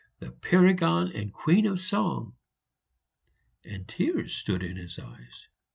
the paragon and queen of song!" and tears stood in his eyes.